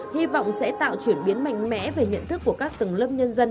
hy vọng sẽ tạo chuyển biến mạnh mẽ về nhận thức của các tầng lớp nhân dân